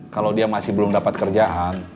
kalau dia masih belum dapat kerjaan